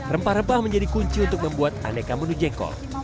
rempah rempah menjadi kunci untuk membuat aneka menu jengkol